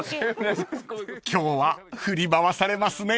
［今日は振り回されますね］